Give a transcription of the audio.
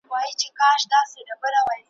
دا انصاف نه دی چي ماته په هغه شېبه درېږې `